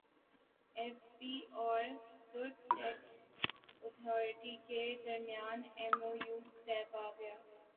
F B اور ترک tax authorities کے درمیان ایم او یو طے پاگیا